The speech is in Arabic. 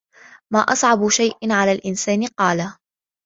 مَا أَصْعَبُ شَيْءٍ عَلَى الْإِنْسَانِ ؟ قَالَ